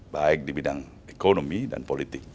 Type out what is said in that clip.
baik di bidang ekonomi dan politik